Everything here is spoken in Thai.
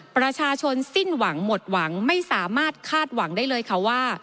ประชาชนสิ้นหวังหมดหวังไม่สามารถคาดหวังได้เลยค่ะว่า